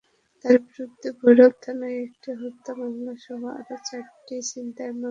তাঁর বিরুদ্ধে ভৈরব থানায় একটি হত্যা মামলাসহ আরও চারটি ছিনতাইয়ের মামলা রয়েছে।